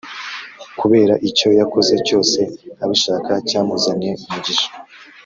kubera icyo yakoze cyose abishaka cyamuzaniye umugisha